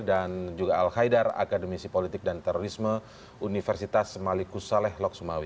dan juga al khaidar akademisi politik dan terorisme universitas malikusaleh lok sumawi